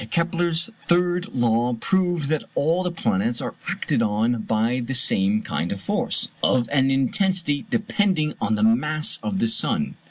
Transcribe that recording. Kepler's third law proves that all the planets are acted on by the same kind of force; of an intensity depending on the mass of the sun.